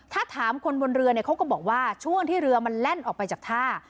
ถ้าถามคนบนเรือเนี่ยเขาก็บอกว่าช่วงที่เรือมันแล่นออกไปจากท่า